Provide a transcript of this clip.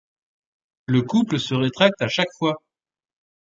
Le couple se rétracte à chaque fois.